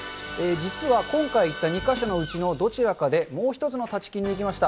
実は今回行った２か所のうちのどちらかで、もう１つのタチキンに行きました。